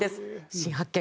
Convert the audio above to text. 新発見。